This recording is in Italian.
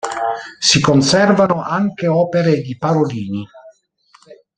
Si conservano anche opere di Parolini.